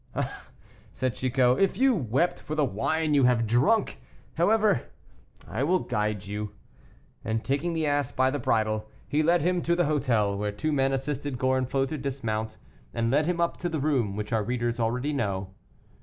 "Ah!" said Chicot, "if you wept for the wine you have drunk! However, I will guide you." And taking the ass by the bridle, he led him to the hotel, where two men assisted Gorenflot to dismount, and led him up to the room which our readers already know.